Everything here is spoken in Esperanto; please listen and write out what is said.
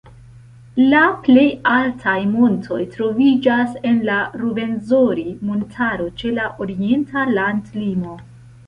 La plej altaj montoj troviĝas en la Ruvenzori-montaro ĉe la orienta landlimo.